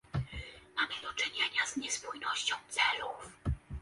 Mamy do czynienia z niespójnością celów